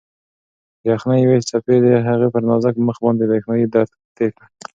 د یخنۍ یوې څپې د هغې پر نازک مخ باندې برېښنايي درد تېر کړ.